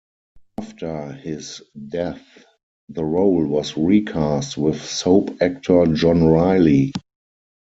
After his death, the role was recast with soap actor John Reilly.